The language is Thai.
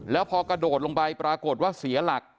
แล้วพอกระโดดลงไปปรากฏว่าเสียหลัก